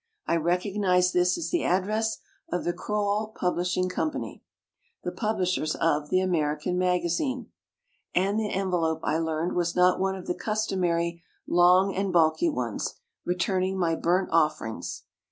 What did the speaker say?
I rec ognized this as the address of the Crowell Pub lishing Company, the publishers of "The Amer ican Magazine". And the envelope, I learned, was not one of the customary long and bulky ones, returning my burnt offerings.